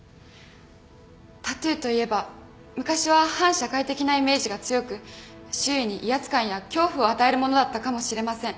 タトゥーといえば昔は反社会的なイメージが強く周囲に威圧感や恐怖を与えるものだったかもしれません。